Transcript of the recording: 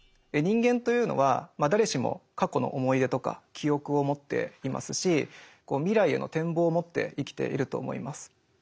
人間というのは誰しも過去の思い出とか記憶を持っていますし未来への展望を持って生きていると思います。